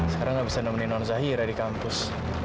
sekarang gak bisa nemenin orang zahira di kampus